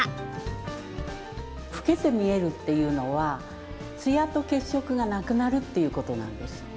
老けて見えるっていうのはツヤと血色がなくなるっていう事なんです。